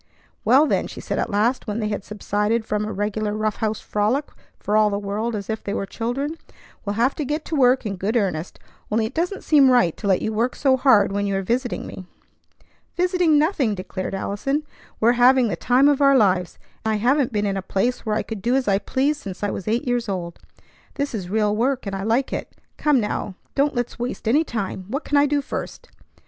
"Well, then," she said at last, when they had subsided from a regular rough house frolic for all the world as if they were children, "we'll have to get to work in good earnest; only it doesn't seem right to let you work so hard when you are visiting me." "Visiting, nothing!" declared Allison; "we're having the time of our lives. I haven't been in a place where I could do as I pleased since I was eight years old. This is real work, and I like it. Come now, don't let's waste any time. What can I do first?